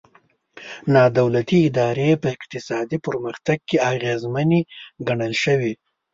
نا دولتي ادارې په اقتصادي پرمختګ کې اغېزمنې ګڼل شوي.